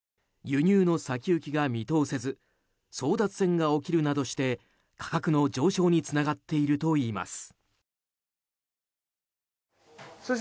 輸入の先行きが見通せず争奪戦が起きるなどして価格の上昇につながっているといいます。